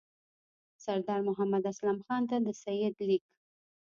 سردار محمد اسلم خان ته د سید لیک.